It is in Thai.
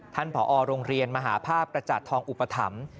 ผอโรงเรียนมหาภาพกระจาดทองอุปถัมภ์